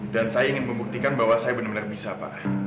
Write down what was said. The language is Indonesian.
dan saya ingin membuktikan bahwa saya benar benar bisa pak